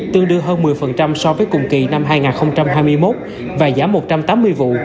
tương đương hơn một mươi so với cùng kỳ năm hai nghìn hai mươi một và giảm một trăm tám mươi vụ